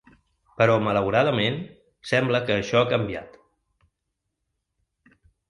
Però malauradament, sembla que això ha canviat.